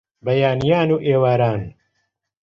بەیانیان و ئێواران